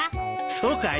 そうかい？